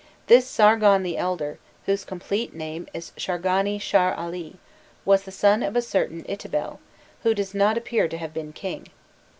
This Sargon the Elder, whose complete name is Shargani shar ali, was the son of a certain Ittibel, who does not appear to have been king.